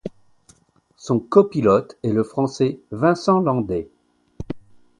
Son copilote est le français Vincent Landais.